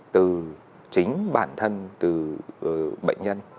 từ chính bản thân từ bệnh nhân